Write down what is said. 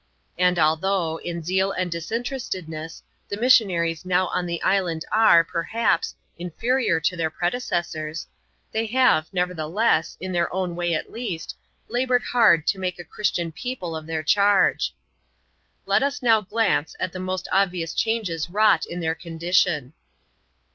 And although, in zeal and disinterestedness, the missionaries now on the island are, perhaps, inferior to their predecessors, they have, nevertheless, in their own way at least, laboured hard to make a Christian people of their charge. Let us now glance at the most obvious changes wrought in their condition.